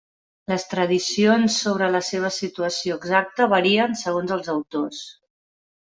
Les tradicions sobre la seva situació exacta varien segons els autors.